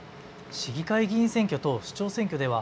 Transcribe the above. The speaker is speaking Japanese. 市議会議員選挙と市長選挙では